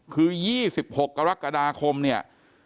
คือ๒๖กรกฎาคมเนี่ย